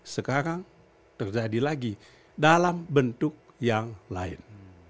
sekarang terjadi lagi dalam bentuk yang lain